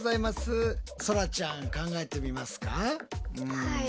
はい。